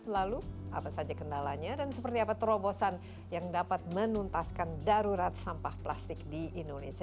lalu apa saja kendalanya dan seperti apa terobosan yang dapat menuntaskan darurat sampah plastik di indonesia